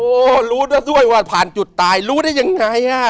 โอ้โหรู้ได้ด้วยว่าผ่านจุดตายรู้ได้ยังไง